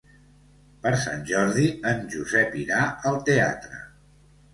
Per Sant Jordi en Josep irà al teatre.